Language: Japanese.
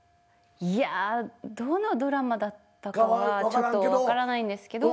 いやぁどのドラマだったかはちょっとわからないんですけど。